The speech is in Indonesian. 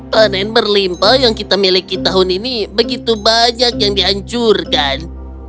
panen berlimpah yang kita miliki tahun ini begitu banyak yang dianjurkan